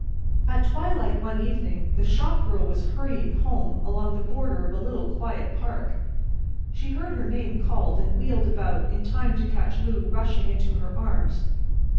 At twilight one evening the shop girl was hurrying home along the border of a little quiet park. She heard her name called, and wheeled about in time to catch Lou rushing into her arms.